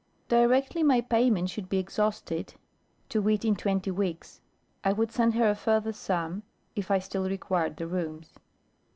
Directly my payment should be exhausted, to wit in twenty weeks, I would send her a further sum, if I still required the rooms.